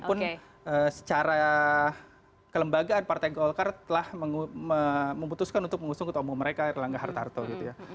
yang secara kelembagaan partai polkar telah memutuskan untuk mengusung ketombong mereka erlangga hartarto gitu ya